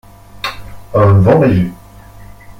Un vent léger.